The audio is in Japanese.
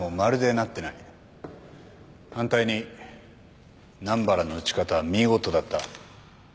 反対に南原の撃ち方は見事だった。